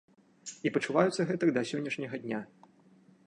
І пачуваюцца гэтак да сённяшняга дня.